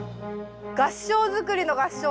合掌造りの合掌だ。